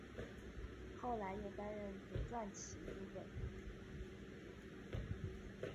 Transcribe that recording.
后来又担任左转骑都尉。